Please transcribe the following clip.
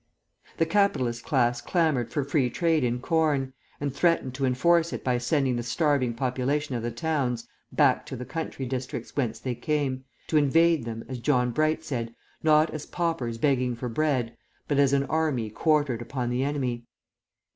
The capitalist class clamoured for Free Trade in corn, and threatened to enforce it by sending the starving population of the towns back to the country districts whence they came, to invade them, as John Bright said, not as paupers begging for bread, but as an army quartered upon the enemy.